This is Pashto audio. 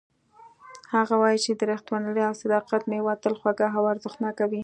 هغه وایي چې د ریښتینولۍ او صداقت میوه تل خوږه او ارزښتناکه وي